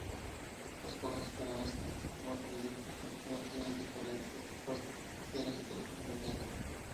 Las causas penales en el sistema jurídico argentino tienen diferentes etapas de necesario cumplimiento.